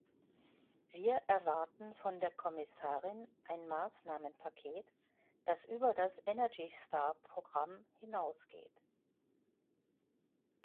Wir erwarten von der Kommissarin ein Maßnahmenpaket, das über das Energy-Star-Programm hinausgeht.